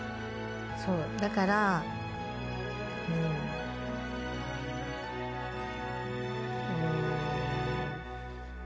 そうだからうん。うーん。